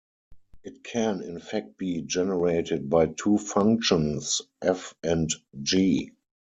It can in fact be generated by two functions "f" and "g".